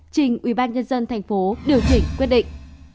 trình ubnd tp điều chỉnh quyết định